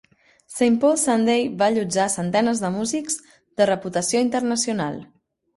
"Saint Paul Sunday" va allotjar a centenes de músics de reputació internacional.